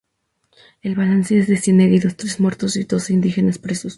El balance es de cien heridos, tres muertos y doce indígenas presos.